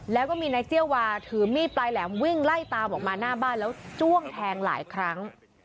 แล้วก็มีนายเจี้ยวาถือมีดปลายแหลมวิ่งไล่ตามออกมาหน้าบ้านแล้วจ้วงแทงหลายครั้ง